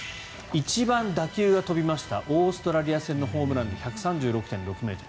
一番打球が飛びましたオーストラリア戦のホームランで１３６．６ｍ。